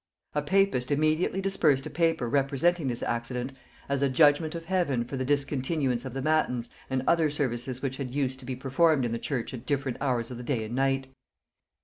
A papist immediately dispersed a paper representing this accident as a judgement of Heaven for the discontinuance of the matins and other services which had used to be performed in the church at different hours of the day and night.